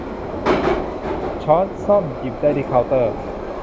ช้อนส้อมหยิบได้ที่เคาน์เตอร์